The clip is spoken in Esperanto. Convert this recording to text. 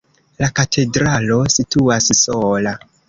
La katedralo situas sola.